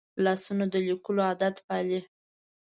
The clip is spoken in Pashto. لاسونه د لیکلو عادت پالي